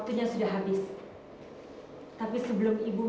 terima kasih ibu